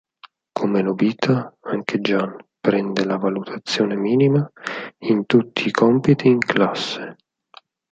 Come Nobita, anche Gian prende la valutazione minima in tutti i compiti in classe.